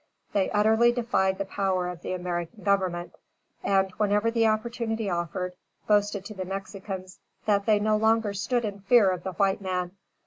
They utterly defied the power of the American Government; and, whenever the opportunity offered, boasted to the Mexicans "that they no longer stood in fear of the white man."